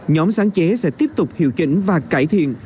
nhóm sáng chế sẽ tiếp tục hiệu chỉnh và cải thiện